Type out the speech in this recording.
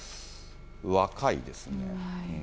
若いですね。